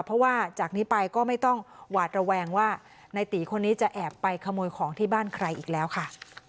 เพราะว่าจากนี้ไปก็ไม่ต้องหวาดระแวงว่าในตีคนนี้จะแอบไปขโมยของที่บ้านใครอีกแล้วค่ะ